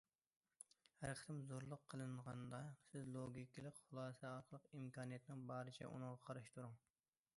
ھەر قېتىم زورلۇق قىلىنغاندا، سىز لوگىكىلىق خۇلاسە ئارقىلىق ئىمكانىيەتنىڭ بارىچە ئۇنىڭغا قارشى تۇرۇڭ.